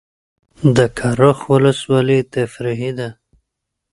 د کرخ ولسوالۍ تفریحي ده